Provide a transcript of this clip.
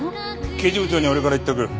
刑事部長には俺から言っておく。